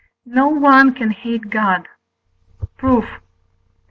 No one can hate God. Proof.